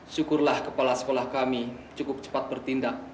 syukurlah kepala sekolah kami cukup cepat bertindak